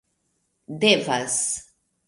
devas